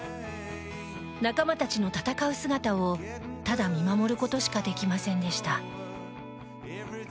仲間たちの戦う姿をただ見守ることしかできませんでした。